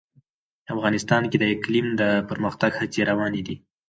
افغانستان کې د اقلیم د پرمختګ هڅې روانې دي.